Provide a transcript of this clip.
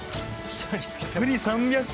１人３００個！